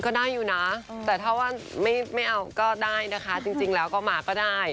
ก็ได้อยู่นะแต่ถ้าว่าไม่เอาจริงแล้วก็ได้นะคะ